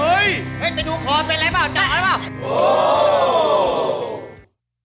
อุ้ยไปดูขอเป็นไรเปล่าจับเขาได้เปล่า